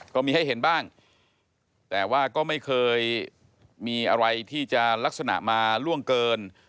ก็มีให้เห็นบ้างแต่ว่าก็ไม่เคยมีอะไรที่จะลักษณะมาล่วงเกิน